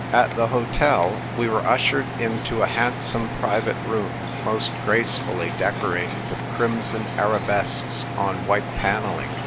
At the hotel, we were ushered into a hand some private room, most gracefully decorated with crimson arabesques on white panelling.